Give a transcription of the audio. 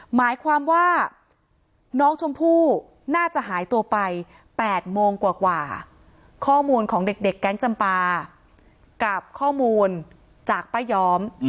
หมายความว่าน้องชมพู่น่าจะหายตัวไป๘โมงกว่าข้อมูลของเด็กแก๊งจำปากับข้อมูลจากป้าย้อม